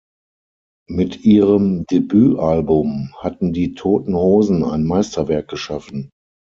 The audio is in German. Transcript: Mit ihrem Debütalbum hatten Die Toten Hosen ein Meisterwerk geschaffen.